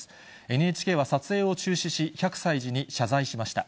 ＮＨＫは撮影を中止し、百済寺に謝罪しました。